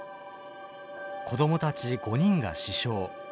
子どもたち５人が死傷。